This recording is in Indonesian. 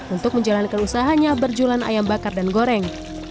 untuk menjalankan usahanya berjualan ayam bakar dan goreng